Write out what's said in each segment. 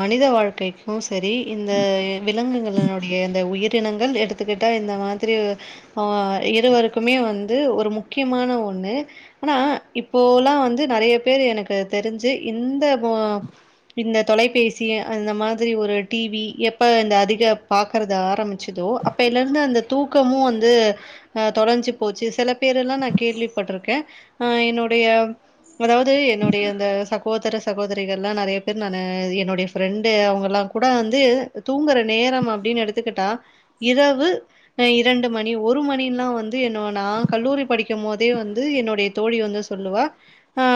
மனித வாழ்க்கைக்கு சேரி இந்த விலங்குகளினுடைய இந்த உயிரினங்கள் எடுத் துக்குட்டா இந்த மாதிரி ஆ இருவருக்குமே வந்து ஒரு முக்கியமான ஒன்னு ஆனா இப்போலா வந்து நெறைய பேரு எனக்கு தெரிஞ்சு இந்த ஒ இந்த தொலைப்பேசி அந்த மாதிரி ஒரு டி வி எப்ப இந்த அதிக பாக்குறது ஆரம்பிச்சுதோ அப் ப்பைல இருந்து அந்த தூக்கமு வந்து அ தொலஞ்சு போச்சு சில பேரெல்லா நா கேள்விப்பட்ருக்கே ஆ என்னோடைய அதாவது என்னுடைய அந்த சகோதர சகோதரிகள் லா நெறைய பேரு நானு என்னுடைய ஃப்ரெண்டு அவுங்க எல்லா கூட வந்து தூங்குற நேரம் அப்டின்னு எடுத்துக்கிட்டா இரவு அ இரண்டு மணி ஒரு மணிலா வந்து என்ன நா கல்லூரி படிக்கும்போதே வந்து என்னுடைய தோழி வந்து சொல்லுவா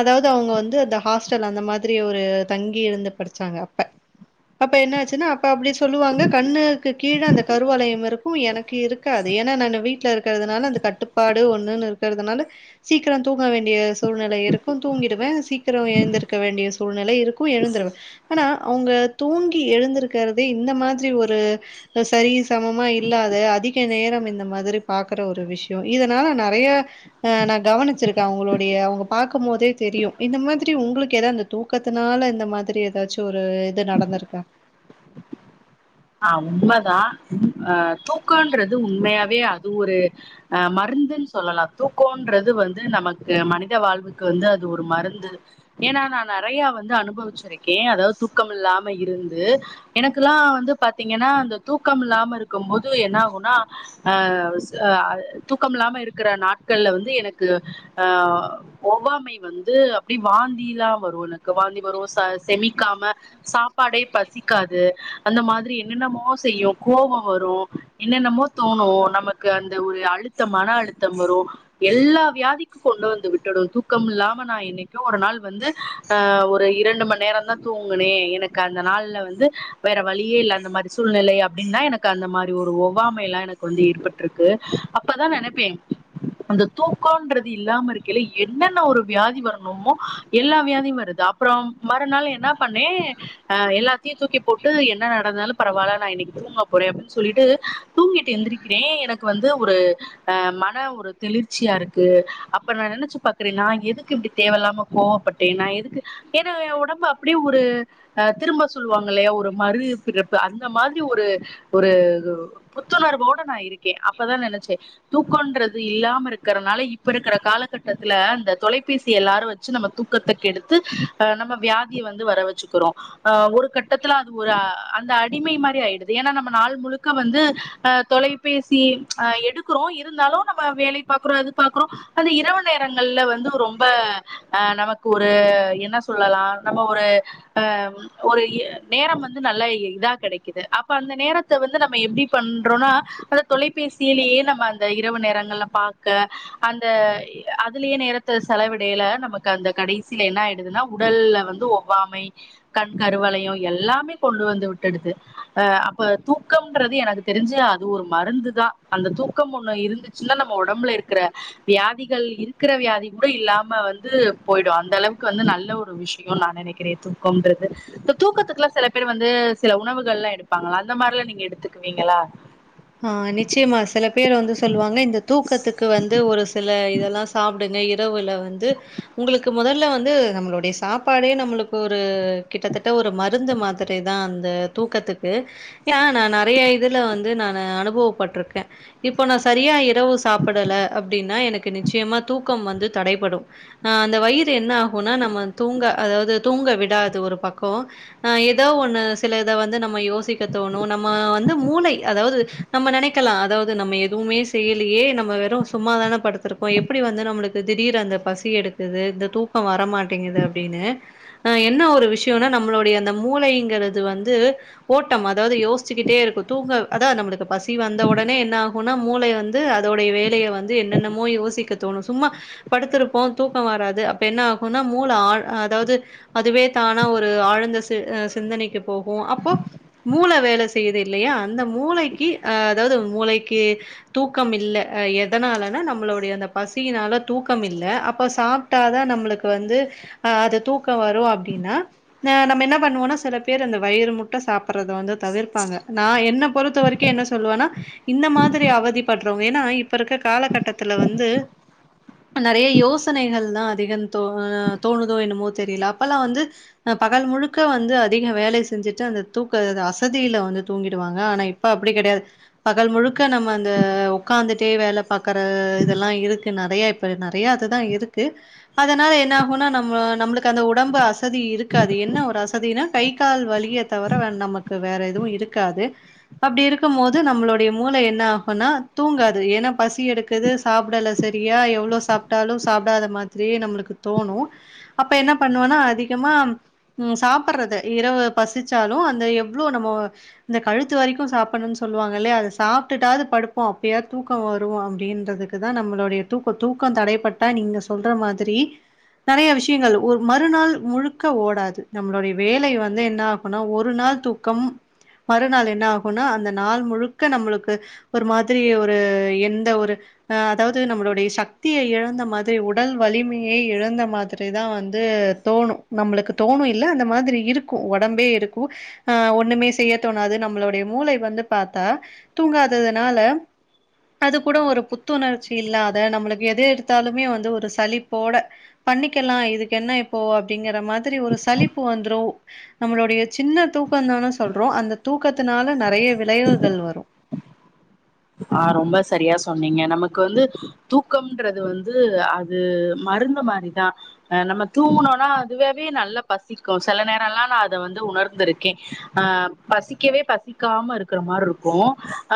அதாவ்து அவுங்க வந்து அந்த ஹாஸ்டல் அந்த மாதிரி ஒரு தங்கியிருந்து படிச்சாங்க அப்ப அப்ப என்ன ஆச்சுன்னா அப்ப அப்டி சொல்லுவாங்க கண்ணுக்கு கீழ அந்த கருவளையம் இருக்கு எனக்கு இருக்காது ஏனா நானு வீட்ல இருக்குறதுனால அந்த கட்டுப்பாடு ஒன்னுன்னு இருக்குறதுனால சீக்ரோ தூங்க வேண்டிய சூழ்நிலை இருக்கு தூங்கிடுவே சீக்ரோ எழந்திருக்க வேண்டிய சூழ்நிலை இரு க்கு எழுந்துருவே ஆனா அவுங்க தூங்கி எழுந்திருக்கறதே இந்த மாத்ரி ஒ ரு அ செரி சமமா இல்லாத அதிக நேரம் இந்த மாத்ரி பாக்குற ஒரு விஷ்யோ இதனால நெறைய ஆ நா கவனிச்சிருக்கே அவுங்களுடைய அவுங்க பாக்கும் போதே தெரியு இந்த மாத்ரி உங்களுக்கு எதா இந்த தூக்கத்துனால இந்த மாதிரி எதாச்சு ஒரு இது நடந்திருக்கா ஆ உண்மதா அ தூக்கன்றது உண்மையாவே அது ஒரு அ மருந்துன் சொல்லலா தூக்கோன்றது வந்து நமக்கு மனித வாழ்வுக்கு வந்து அது ஒரு மருந்து ஏனா நா நெறைய வந்து அனுபவிச்சிருக்கே அதாது தூக்கம் இல்லாம இருந்து எனக்குலா வந்து பாத்தீங்கன்னா அந்த தூக்கம் இல்லாம இருக்கும் போது என்ன ஆகுனா அ அ தூக்கம் இல்லாமல் இருக்கிற நாட்கள்ல வந்து எனக்கு அ ஒவ்வாமை வந்து அப்டி வாந்திலா வரு எனக்கு வாந்தி வரு ச செமிக்காம சாப்பாடே பசிக்காது அந்த மாத் ரி என்னென்னமோ செய்யு கோவோ வரு என்னென்னமோ தோணு நமக்கு அந்த ஒரு அழுத் தம் மன அழுத்தம் வரு எல்லா வியாதிக்கு கொண்டு வந்து விட்டுடு தூக்கம் இல்லாம நா என்னைக்கோ ஒரு நாள் வந்து ஆ ஒரு இரண்டு மண் நேரந்தா தூங்குனே எனக்கு அந்த நாள்ல வந்து வேற வழியே இல்லா அந்த மாரி சூழ்நிலை அப்டின்னா எனக்கு அந்த மாரி ஒரு ஒவ்வாமைல்லா எனக்கு வந்து ஏற்பட்டிருக்கு அப்பதா நெனப்பே அந்த தூக்கோன்றது இல்லாம இருக்கைல என்னென்ன ஒரு வியாதி வரணுமோ எல்லா வியாதியு வருது அப் றம் மறுநாள் என்னா பண்ணே அ எல்லாத்தையு தூக்கி போட்டு என்ன நடந்தாலு பரவால்ல நா இன்னைக்கு தூங்க போறே அப்டின் சொல்லிட்டு தூங்கீட்டு எந்திரிக்கிறே எனக்கு வந்து ஒரு அ மன ஒரு தெளிர்ச்சியா இருக்கு அப்ப நா நெனைச்சு பாக்குறே நா எதுக்கு இப்டி தேவல்லாம கோவப்பட் டே நா எதுக்கு ஏனா எ ஒடம்பு அப்டியே ஒரு ஆ திரும்ப சொல்லுவாங்க இல்லையா ஒரு மறுபிறப் பு அந்த மாத்ரி ஒரு ஒரு புத்துணர்வோட நா இருக்கே அப்பதா நெனச்சே தூக்கன்றது இல்லாம இருக்கறனால இப்ப இருக்கிற காலகட்டத்துல இந்த தொலைபேசி எல்லாரு வெச்சி நம்ம தூக்கத்த கெடுத்து அ நம்ம வியாதிய வந்து வர வெச்சுக்கிறோ ஆ ஒரு கட்டத்துல அது ஒரு அந்த அடிமை மாரி ஆயிடுது ஏனா நம்ம நாள் முழுக்க வந்து அ தொலைபேசி எடு க்றோ இருந்தாலு நம்ம வேலை பாக்கறோ அது பாக்கறோ அந்த இரவு நேரங்கள்ல வந்து ரொம்ப ஆ நமக்கு ஒரு என்ன சொல்லலா நம்ம ஒரு அ ஒரு இ நேரம் வந்து நல்லா இதா கெடைக்குது அப்ப அந்த நேரத்த வந்து நம்ம எப்டி பண்றோனா அந்த தொலைபேசியிலயே நம்ம அந்த இரவு நேரங்கள்ல பாக்க அந்த அதுலயே நேரத்த செலவிடையல நமக்கு அந்த கடைசியில என்ன ஆயிடுதுன்னா உடல்ல வந்து ஒவ்வாமை கண் கருவலையோ எல்லாமே கொண்டு வந்து விட்டுடுது அ அப்ப தூக்கம்ன்றது எனக்கு தெரிஞ்சு அது ஒரு மருந்து தா அந்த தூக்கம் ஒண்ணு இருந்து ச்சின்ன நம்ம ஒடம்புல இருக்கிற வியாதிகள் இருக்கிற வியாதி கூட இல்லாம வந்து போயிடு அந்தளவுக்கு வந்து நல்ல ஒரு விஷ் யோ நா நெனைக்கிறே தூக்கம்ன்றது இந்த தூக்கத்துக்குலா சில பேர் வந்து சில உணவுகள்லா எடுப்பாங்கல்ல அந்த மாரிலா நீங்க எடுத்துக்குவீங்களா ஆ நிச்சயமா சில பேர் வந்து சொல்லுவாங்க இந்த தூக்கத்துக் கு வந்து ஒரு சில இதல்லா சாப்டுங்க இரவுல வந்து உங்களுக்கு மொதல்ல வந்து நம்மளுடைய சாப்பாடே நம்மளுக்கு ஒரு கிட்டத்தட்ட ஒரு மருந்து மாத் திரிதா அந்த தூக்கத்துக்கு ஏ நா நெறைய இதுல வந்து நா அனுபவப்பட்டிருக்கே இப்ப நா சரியா இரவு சாப்படல அப்டின்னா எனக் கு நிச்சயமா தூக்கம் வந்து தடைபடு அ அந்த வயிறு என்ன ஆகுனா நம்ம தூங்க அதாவது தூங்க விடாது ஒரு பக்கோ ஆ ஏதோ ஒண்ணு சில இத வந்து நம்ம யோசிக்க தோணு நம்ம வந்து மூளை அதாவது நம்ம நெனைக்லா அதாவது நம்ம எதுவுமே செய்யலியே நம்ம வெறு சும்மாதான படுத்துருக் கோ எப்பிடி வந்து நம்மளுக்கு திடீர் அந்த பசி எடுக்குது இந்த தூக்கம் வரமாட்டேங்குது அப்டின்னு அ என்ன ஒரு விஷ்யோனா நம்மளுடைய அந்த மூளைங்கிறது வந்து ஓட்டம் அதாவது யோசிச்சிக்கிட்டே இருக்கு தூங்க அதா நம்ளுக் ப்ப பசி வந்த உடனே என்ன ஆகுனா மூளை வந்து அதோடைய வேலைய வந்து என்னென்னமோ யோசிக்க தோணு சும்மா படுத்திருப்போ தூக்க வராது அப்ப என்ன ஆகுனா மூளை ஆழ் அதாவது அதுவே தானா ஒரு ஆழ்ந்த சி சிந்தனைக்கு போகு அப்போ மூளை வேல செய்யுது இல்லையா அந்த மூளைக்கி அ அதாவது மூளைக்கி தூக்கம் இல்ல எதனாலனா நம்மளுடைய அந்த பசினால தூக்கம் இல்ல அப்ப சாப் டா தா நம்மளுக்கு வந்து அ அது தூக்க வரு அப்டின்னா நா நம்ம என்ன பண்ணுவோனா சில பேர் இந்த வயிறு முட்ட சாப்பறது வந்து தவிர்ப்பாங்க நா என்ன பொறுத்த வரைக் க்கியூ என்ன சொல்லுவனா இந்த மாரி அவதிப்படுறவங்க ஏன்னா இப்ப இருக்க காலகட்டத்துல வந்து இப்ப நெறைய யோசனைகள் தா அதிகன் தோ தோணுதோ என்னுமோ தெரியல அப்பல்லா வந்து அ பகல் முழுக்க வந்து அதிக வேல செஞ்சிட்டு அந்த தூக்க அசதியில வந்து தூங்கிடுவாங்க ஆனா இப் ப அப்பிடி கெடையாது பகல் முழுக்க நம்ம அந்த உக்காந்துட்டே வேல பாக்கற இதெல்லா இருக்கு நெறையா இப் ப நெறையா அதுதா இருக்கு அதனால என்ன ஆகுனா நம்ம நம்ளுக்கு அந்த உடம்பு அசதி இருக்காது என்ன ஒரு அச தினா கை கால் வலிய தவர நமக்கு வேற எதுவு இருக்காது அப்படி இருக்கும் போது நம்மளுடைய மூளை என்ன ஆகுனா தூங்காது ஏனா பசி எடுக்குது சாப்படல சரியா எவ்ளோ சாப்பட்டாலு சாப்படாத மாதிரியே நம்ளுக்கு தோணு அப்ப என்ன பண்ணுவோனா அதிகமா ம் சாப்பறது இரவு பசிச்சாலு அந்த எவ்ளோ நம்மோ இந்த கழுத்து வரைக் கு சாப்படனு சொல்லுவாங்க இல்லையா அத சாப்ட்டுடாவது படுப்போ அப்பயாத் தூக்க வரு அப்டின்றதுக்கு தா நம்மளுடைய தூக் தூக்க தடைப்பட்டா நீங்க சொல்ற மாதிரி நெறைய விஷியங்கள் ஒரு மறுநாள் முழுக்க ஓடாது நம்மளுடைய வேலை வந்து என்ன ஆகுனா ஒரு நாள் தூக் கம் மறுநாள் என்ன ஆகுனா அந்த நாள் முழுக்க நம்ளுக்கு ஒரு மாதிரி ஒரு எந்த ஒரு அ அதாவது நம்மளுடைய சக்திய இழந்த மாதிரி உடல் வலிமைய இழந்த மாதிரிதா வந்து தோணு நம்மளுக்கு தோணு இல்ல அந்த மாதிரி இருக்கு உடம்பே இருக்கு அ ஒண்ணுமே செய்ய தோணாது நம்மளுடைய மூளை வந்து பாத்தா தூங்காததனால அது கூட ஒரு புத்துணர்ச்சி இல்லாத நம்மளுக்கு எது எடுத்தாலுமே வந்து ஒரு சலிப்போட பண்ணிக்கலா இதுக்கு என்ன இப்போ அப்டிங்கற மாதிரி ஒரு சலிப்பு வந்துரு நம்மளுடைய சின்ன தூக்கந் தான சொல்றோ அந்த தூக்கத்தினால நெறைய விளைவுகள் வரு அ ரொம்ப சரியா சொன்னீங்க நமக்கு வந்து தூக்கம்ன்றது வந்து அது மருந்து மாரிதா அ நம்ம தூங்குனோனா அதுவாவே நல்லா பசிக்கு செல நேரல்லா நா அத வந்து உணர்ந்திருக்கே அ பசிக்கவே பசிக்காம இருக்கற மாரி இருக்கும்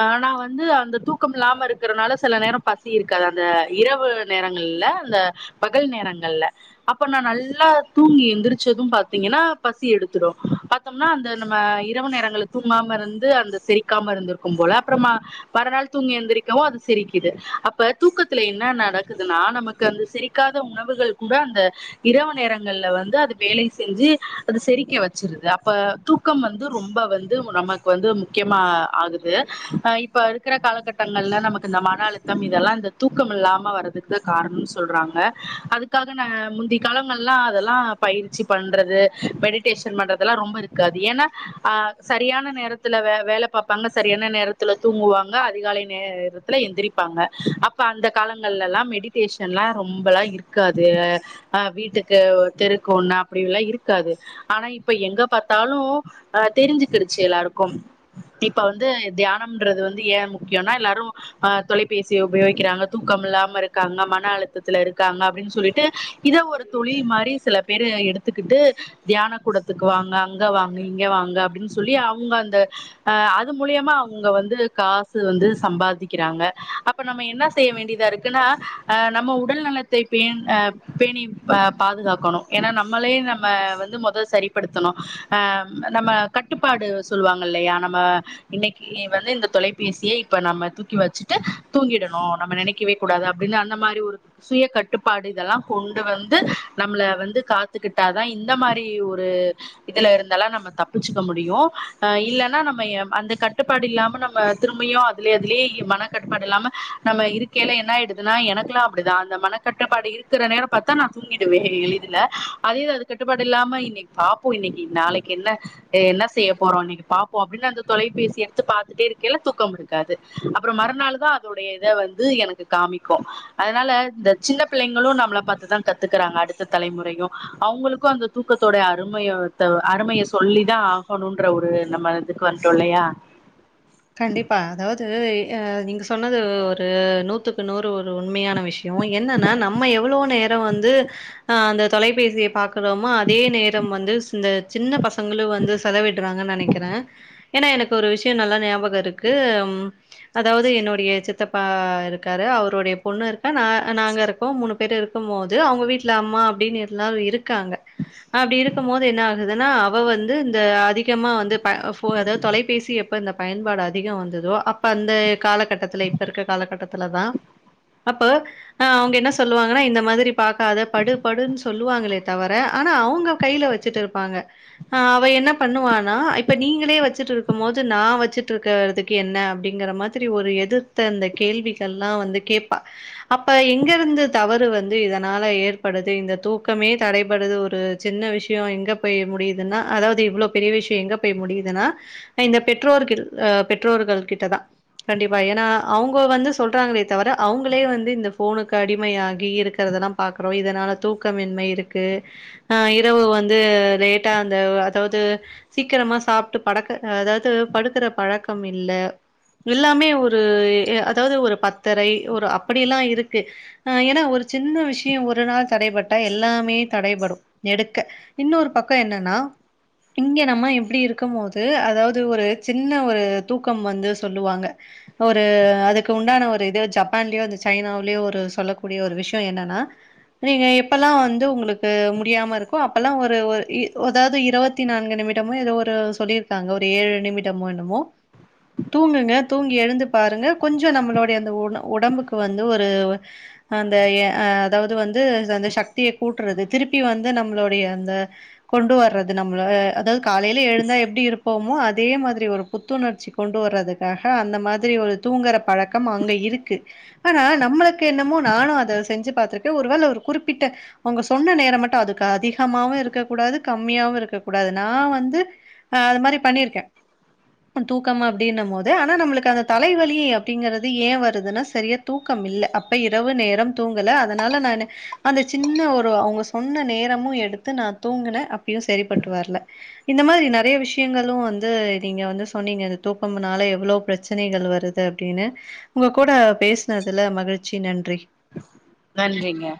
ஆனா வந்து வந்து அந்த தூக்கம் இல்லாம இருக்கறனால சில நேரம் பசி இருக்காது அந்த இரவு நேரங்கள்ல அந்த பகல் நேரங்கள்ல அப்ப நா நல்லா தூங்கி எந்திரிச்சதும் பாத்தீங்கன்னா பசி எடுத்துரும் பாத்தோம்னா அந்த நம்ம இரவு நேரங்க தூங்காம இருந்து அந்த செரிக்காம இருந்திருக்கும் போல அப்புறமா மறுநாள் தூங்கி எழுந்திரிக்கவும் அது செரிக்கிது அப்ப தூக்கத்துல என்ன நடக்குதுன்னா நமக் கு அந்த செரிக்காத உணவுகள் கூட அந்த இரவு நேரங்கள்ல வந்து அது வேலை செஞ்சி அது செரிக்க வச்சிருது அப்ப தூக் தூக்கம் வந்து ரொம்ப வந்து நமக்கு வந்து முக்கியமா ஆகுது ஆ இ இப்ப இருக்கிற காலகட்டங்கள்ல நமக்கு இந்த மன அழுத்தம் இதெல்லாம் இந்த தூக்கம் இல்லாம வரதுக்கு காரணம்னு சொல்றாங்க அதுக்காக நா முந்தி காலங்கள்லாம் அதெல்லா பயிற்சி பண்றது மெடி ட்டேஷ்சன் பண்றதெல்லாம் ரொம்ப இருக்காது ஏன்னா அ சரியான நேரத்துல வே வேல பாப்பாங்க சரியான நேரத்துல தூங்குவாங்க அதிகாலை நேரத்துல எந்திரிப்பாங்க அப்ப அந்த காலங்கள்ல எல்லாம் மெடி டேஷ்சன்லா ரொம்பலா இருக்காது அ வீட்டுக்கு ஒரு தெருக்கு ஒன்னு அப்படின்ல்லா இருக்காது ஆனா இப்ப எங்க பாத்தாலும் அ தெரிஞ்சிக்கிருச்சி எல்லாருக்கும் இப்ப வந்து தியானம்ன்றது வந்து ஏ முக்கியம்னா எல்லாரும் அ தொலைபேசிய உபயோகிக்கிறாங்க தூக்கம் இல்லாம இருக்காங்க மன அழுத்தத்துல இருக்காங்க அப்படின்னு சொல்லிட்டு இத ஒரு தொழில் மாரி சில பேரு எடுத்துக்கிட்டு தியான கூடத்துக்கு வாங்க அங்க வாங்க இங்க வாங்க அப்படின்னு சொ சொல்லி அவங்க அந்த அது மூலியமா அவங் ங்க வந்து காசு வந்து சம்பாதிக்கிறாங்க அப்ப நம்ம என்ன செய்ய வேண்டியதா இருக்குன்னா ஆ நம்ம உடல் நலத்தை பே ஆ பேணி ப பாதுகாக்கணும் ஏன்னா நம்மளே நம்ம வந்து மொத சரிப்படுத்தணும் ஆ நம்ம கட்டுப்பாடு சொல்லுவாங்க இல்லையா நம்ம இன்னைக் இ வந்து இந்த தொலைபேசியை இப்ப நம்ம தூக்கி வச்சுட்டு தூங்கிடணும் நம்ம நெனைக்கவே கூடாது அப்படின்னு அந்த மாரி ஒரு சுய கட்டுப்பாடு இதெல்லா கொண்டு வந்து நம்மள வந்து காத்துக்கிட்டாதா இந்த மாரி ஒரு இதுல இருந்தலா நம்ம தப்பிச்சுக்க முடியும் ஆ இல்லன்னா நம்ம அந்த கட் கட்டுப்பாடு இல்லாம நம்ம திரும்பியோ அதுலய அதுலயே மன கட்டுப்பாடு இல்லாம நம்ம இருக்கையல என்ன ஆயிடுதுன்னா எனக்குல்லா அப்படித அந்த மனக்கட்டுப்பாடு இருக்கிற நேரோ பாத்தா நா தூங்கிடுவே எளிதுல அதே அது கட்டுப்பாடு இல்லாம இன்னைக்கு பாப்போ இன்னைக்கு நாளைக்கு என்ன என்ன செய்ய போறோ இன்னைக்கு பாப்போ அப்டின்னு அந்த தொலைபேசிய உத்து பாத்துட்டே இருக்கேல்ல தூக்கம் இருக்காது அப்றோ மறுநாள் தா அதோடைய இத வந்து எனக்கு காமிக்கும் அதனால இந்த சின்ன பிள்ளைங்களும் நம்மள பாத்துதா கத்துக்குறாங்க அடுத்த தலைமுறையும் அவங்களுக்கும் அந்த தூக்கத்தோட அருமையத்த அருமைய சொல்லிதா ஆகணும்ன்ற ஒரு நம்ம இதுக்கு வந்துட்டோ இல்லையா கண்டிப்பா அதாவது அ நீங்க சொன்னது ஒரு நூத்துக்கு நூறு ஒரு உண்மையான விஷ கவு என்னன்னா நம்ம எவ்வளோ நேரம் வந்து ஆ அந்த தொலைபேசிய பாக்குறோமா அதே நேரம் வந்து இந்த சின்ன பசங்களு வந்து செலவிட்றாங்க நெனைக்கிற ஏன்னா எனக்கு ஒரு விஷயம் நல்லா ஞா நியாபக இருக்கு ம் அதாவது என்னுடைய சித்தப்பா இருக்காரு அவருடைய பொண்ணு இருக்கா நா நாங்க இருக்கோ முணு பேர் இருக்கும் மோது அவங்க வீட்ல அம்மா அப்டின் எல்லாவு இருக்காங்க அப்டி இருக்கும் போது என்ன ஆகுதுன்னா அவ வந்து இந்த அதிகமா வந்து ப ஃபோ அதா தொலைபேசி எப்போ இந்த பயன்பாடு அதிகோ வந்ததோ அப்ப அந்த காலகட்டத்துல இப்ப இருக்க காலகட்டத்துலதா அப்ப ஆ அவங்க என்ன சொல்லுவாங்கனா இந்த மாரி பாக்காத படு படுன் சொல்லுவாங்களே தவர ஆனா அவங்க கைல வச் வச்சிட்டு இருப்பாங்க ஆ அவ என்ன பண்ணுவான்னா இப்ப நீங்களே வச்சட்டு இருக்கும் போது நா வச் வச்சிட்ருக்கற்துக்கு என்ன அப்டிங்குற மாதிரி ஒரு எதிர்த்து அந்த கேள்விகள்லா வந்து கேப்பா அப்ப எங்கருந்து தவறு வந்து இதனால ஏற்படுது இந்த தூக்கமே தடைபடுது ஒரு சின்ன விஷயோ எங்கப்பெய் முடியுதுன்னா அதாவது இவ்ளோ பெரிய விஷயோ எங்க்பெய் முடியுதுன்னா அ இந்த பெற்றோர்கிள் அ பெற்றோர்கள் கிட்டதா கண்டிப்பா ஏனா அவங்க வந்து சொல்றாங்களே தவர அவங்களே வந்து இந்த போனுக்கு அடிமையாகி இருக்றதெல்லாம் பாக்குறோ இதனால தூக்கமின்மை இருக்கு ஆ இரவு வந்து லேட்டா அந்த அதாவது சீக்கரமா சாப்ட்டு படக்கு அ அதாது படுக்குற பழக்கம் இல்ல எல்லாமே ஒரு எ அதாவது ஒரு பத்தரை ஒரு அப்படியெல்லா இருக்கு ஆ ஏனா ஒரு சின்ன விஷயொ ஒரு நாள் தடைபட்டா எல்லாமே தடைபடு எடுக்க இன்னொரு பக்கம் என்னன்னா இங்க நம்ம இப்டி இருக்கம் போது அதாவது ஒரு சித் இன்ன ஒரு தூக்கம் வந்து சொல்லுவாங்க ஒரு அதுக்கு உண்டான ஒரு இது ஜப்பான்லயோ அந்த சைனாவ்லயோ ஒரு சொல்லக்கூடிய ஒரு விஷயோ என்னனா நீங்க எப்பல்லா வந்து உங்களுக்கு முடியாம இருக்கோ அப்பல்லா ஒரு ஒரு இ அதாவது இருவத் வத்தி நான்கு நிமிடமோ ஏதோ ஒரு சொல்லியிருக்காங்க ஒரு ஏழு நிமிடமோ என்னமோ தூங்குங்க தூங்கி எழுந்து பாருங்க கொஞ்சொ நம்மளோடைய அந்த ஒன ஒடம்புக்கு வந்து ஒரு அந்த எ அ அதாவது வந்து அந்த சக்திய கூட்றது திருப் ரி வந்து நம்ளோடைய அந்த கொண்டு வர்றது நம்மள அ அதாக் காலையில எழுந்தா எப்டி இருப்போமோ அதே மாதி கி ஒரு புத்துணர்ச்சி கொண்டு வர்றதுக்காக அந்த மாதிரி ஒரு தூங்குற பழக்கம் அங்க இருக்கு ஆனா நம்மளுக்கு என்னமோ நானு அத செஞ்சி பாத்ருக்கே ஒரு வேல ஒரு குறிப்பிட்ட அவுங்க சொன்ன நேரோ மட்டும் அதுக்கு அதிகமாவு இருக்கக்கூடாது கம்மியாவு இருக்கக்கூடாது நா வந்து ஆ அது மாரி பண்ணிருக்கே தூக்கம் அப்டின்னும் போது ஆனா நம்மளுக்கு அந்த தலைவலி அப்டிங்கிறது ஏ வருதுன்னா சரியா தூக்கம் இல்ல அப்ப இரவு நேரம் தூங்கல அதனால நானு அந்த சின்ன ஒரு அவுங்க சொன்ன நேரமு எடுத்து நா தூங்குனே அப்பயு சரி பட்டு வரல இந்த மாரி நெறைய விஷயங்களு வந்து நீங்க வந்து சொன்னீங்க தூக்கம்னால எவ்வளோ பிரச்சனைகள் வருது அப்டின்னு உங்க கூட பேசினதுல மகிழ்ச்சி நன்றி நன்றிங்க